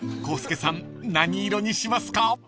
［浩介さん何色にしますか？］